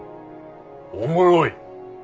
おもろい。